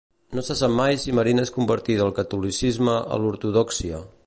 No se sap si Marina es convertí del catolicisme a l'ortodòxia.